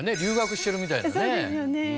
そうですよね。